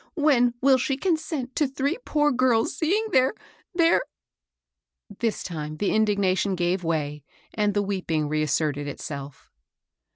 "When will she consent to three poor girls seeing their — their "— This time the indignation gave way, and the weeping reasserted itself.